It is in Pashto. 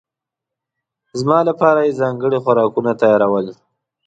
زما لپاره یې ځانګړي خوراکونه تيارول.